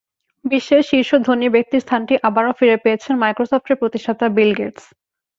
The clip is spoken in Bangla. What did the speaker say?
বিশ্বের শীর্ষ ধনী ব্যক্তির স্থানটি আবারও ফিরে পেয়েছেন মাইক্রোসফটের প্রতিষ্ঠাতা বিল গেটস।